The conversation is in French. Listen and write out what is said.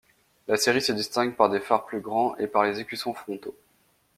La série se distingue par des phares plus grands et par les écussons frontaux.